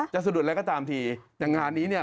สะดุดอะไรก็ตามทีแต่งานนี้เนี่ย